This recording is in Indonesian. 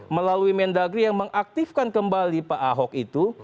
melalui mendagri yang mengaktifkan kembali pak ahok itu